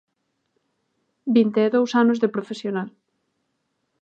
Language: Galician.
Vinte e dous anos de profesional.